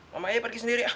mama aja pergi sendiri ya